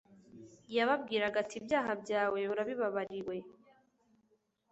yababwiraga ati: "ibyaha byawe urabibabariwe,"